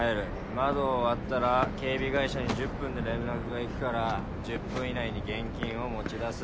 窓を割ったら警備会社に１０分で連絡が行くから１０分以内に現金を持ち出す。